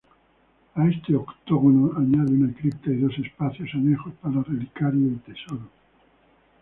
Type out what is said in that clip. A este octógono añade una cripta y dos espacios anejos para relicario y tesoro.